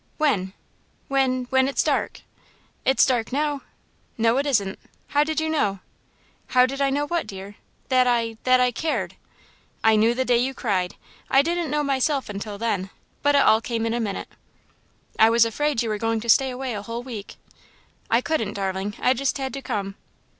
"When?" "When when it's dark." "It's dark now." "No it isn't. How did you know?" "How did I know what, dear?" "That I that I cared." "I knew the day you cried. I didn't know myself until then, but it all came in a minute." "I was afraid you were going to stay away a whole week." "I couldn't, darling I just had to come."